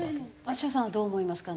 あしやさんはどう思いますか？